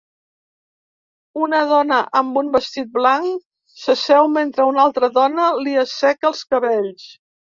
Una dona amb un vestit blanc s'asseu mentre una altra dona li asseca els cabells.